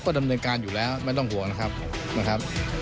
ก็ดำเนินการอยู่แล้วไม่ต้องห่วงนะครับนะครับ